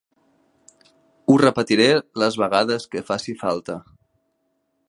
Ho repetiré les vegades que faci falta.